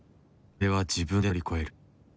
壁は自分で乗り越える。